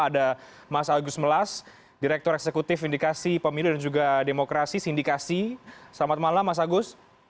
ada mas agus melas direktur eksekutif indikasi pemilu dan juga demokrasi sindikasi selamat malam mas agus